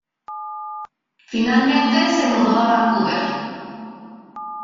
Finalmente se mudó a Vancouver.